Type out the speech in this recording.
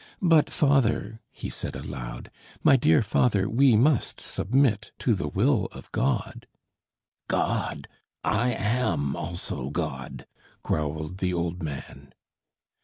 "But, father," he said aloud, "my dear father, we must submit to the will of God!" "God! I am also God!" growled the old man.